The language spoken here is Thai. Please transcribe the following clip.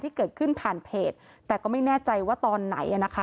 ที่เกิดขึ้นผ่านเพจแต่ก็ไม่แน่ใจว่าตอนไหนนะคะ